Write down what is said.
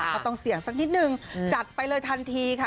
ก็ต้องเสี่ยงสักนิดนึงจัดไปเลยทันทีค่ะ